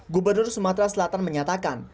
gubernur sumatera selatan menyatakan